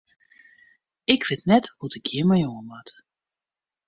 Ik wit net hoe't ik hjir mei oan moat.